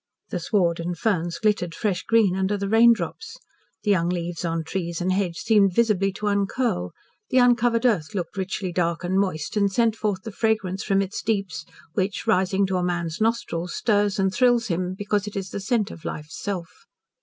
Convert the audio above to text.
The sward and ferns glittered fresh green under the raindrops; the young leaves on trees and hedge seemed visibly to uncurl, the uncovered earth looked richly dark and moist, and sent forth the fragrance from its deeps, which, rising to a man's nostrils, stirs and thrills him because it is the scent of life's self.